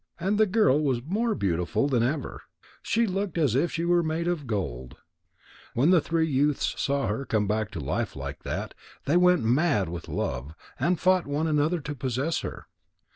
And the girl was more beautiful than ever. She looked as if she were made of gold. When the three youths saw her come back to life like that, they went mad with love, and fought with one another to possess her.